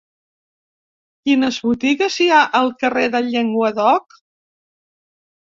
Quines botigues hi ha al carrer del Llenguadoc?